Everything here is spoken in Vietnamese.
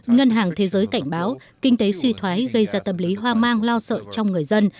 ngân hàng thế giới cảnh báo kinh tế suy thoái gây ra tâm lý hoang mang lo sợ trong người dân